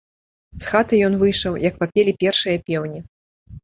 З хаты ён выйшаў, як папелі першыя пеўні.